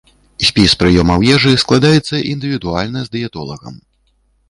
Спіс прыёмаў ежы складаецца індывідуальна з дыетолагам.